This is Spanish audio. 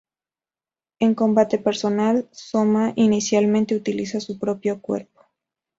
En combate personal, Sōma inicialmente utiliza su propio cuerpo.